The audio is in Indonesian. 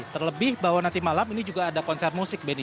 terlebih bahwa nanti malam ini juga ada konser musik benny